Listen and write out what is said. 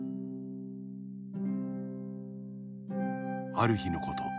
「」あるひのこと